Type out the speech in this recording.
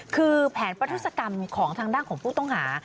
คือแผนประทุศกรรมของทางด้านของผู้ต้องหา